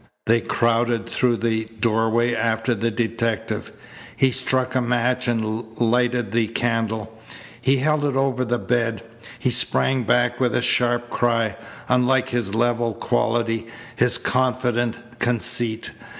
They crowded through the doorway after the detective. He struck a match and lighted the candle. He held it over the bed. He sprang back with a sharp cry, unlike his level quality, his confident conceit.